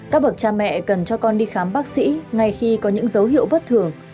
các bậc cha mẹ cần cho con đi khám bác sĩ ngay khi có những dấu hiệu bất thường